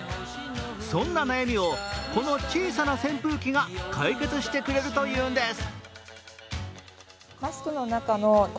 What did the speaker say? そんな悩みをこの小さな扇風機が解決してくれるというんです。